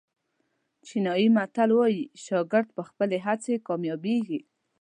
چینایي متل وایي شاګرد په خپلې هڅې کامیابېږي.